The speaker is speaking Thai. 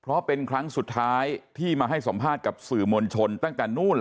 เพราะเป็นครั้งสุดท้ายที่มาให้สัมภาษณ์กับสื่อมวลชนตั้งแต่นู้น